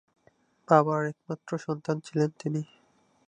বাবার একমাত্র সন্তান ছিলেন তিনি।